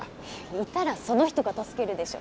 いたらその人が助けるでしょ。